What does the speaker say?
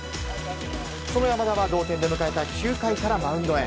その山田は同点で迎えた９回からマウンドへ。